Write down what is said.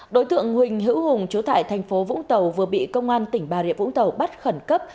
đối tượng huỳnh hữu hùng chủ tại tp vũng tàu vừa bị công an tỉnh bà rịa vũng tàu bắt khẩn cấp